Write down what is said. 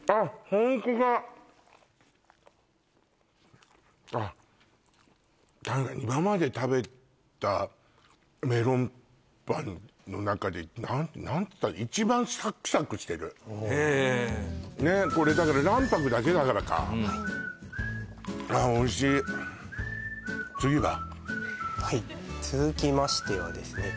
ホントだただ今まで食べたメロンパンの中で何て言ったら一番サクサクしてるへえねっこれだから卵白だけだからかはいああおいしいはい続きましてはですね